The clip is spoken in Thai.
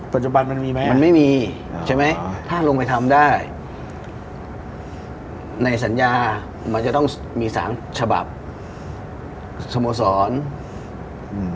มันมีไหมมันไม่มีอ่าใช่ไหมอ่าถ้าลงไปทำได้ในสัญญามันจะต้องมีสามฉบับสโมสรอืม